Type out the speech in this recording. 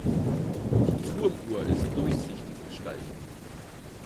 Die Turmuhr ist durchsichtig gestaltet.